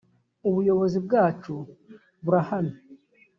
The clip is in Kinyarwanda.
ubuyobozi bwacu burahamye